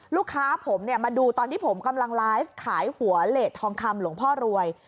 ลูกค้าผมมาดูตอนที่ผมกำลังไลฟ์ขายหัวเลสทองคำหลวงพ่อรวย